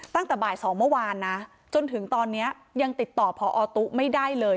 ตั้งแต่บ่าย๒เมื่อวานนะจนถึงตอนนี้ยังติดต่อพอตุ๊ไม่ได้เลย